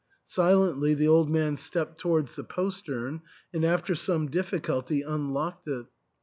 Silently the old man stepped towards the postern, and after some difficulty unlocked it.